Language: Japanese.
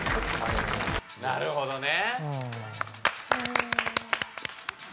なるほどね。